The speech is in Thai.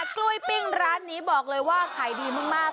กล้วยปิ้งร้านนี้บอกเลยว่าขายดีมาก